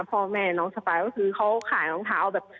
พ่อแม่น้องสปายก็คือเขาขายรองเท้าแบบ